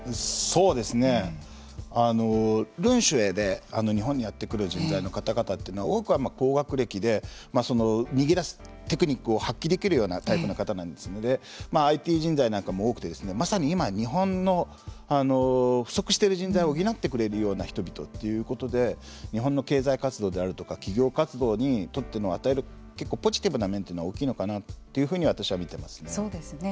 潤学で日本にやってくる人材の方々というのは多くは高学歴で逃げ出すテクニックを発揮できるようなタイプの方ですのでＩＴ人材なんかも多くてまさに今、日本の不足している人材を補ってくれるような人々ということで日本の経済活動であるとか企業活動にとっての与えるポジティブな面は大きいのかなとそうですね。